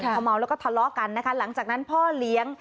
พอเมาแล้วก็ทะเลาะกันนะคะหลังจากนั้นพ่อเลี้ยง